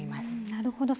なるほど。